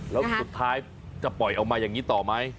แล้วสุดท้ายจะปล่อยออกมาอย่างนี้ต่อไหม